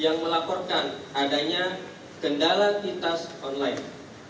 yang melaporkan adanya kendala titas online